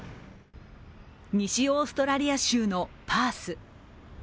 西オーストラリア州のパース。